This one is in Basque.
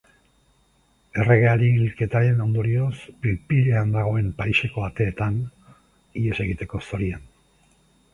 Erregearen hilketaren ondorioz pil-pilean dagoen Pariseko ateetan, ihes egiteko zorian.